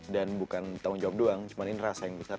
dan bukan tahun jawab doang cuman ini rasa yang besar